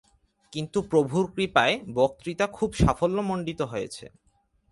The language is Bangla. কিন্তু প্রভুর কৃপায় বক্তৃতা খুব সাফল্যমণ্ডিত হয়েছে।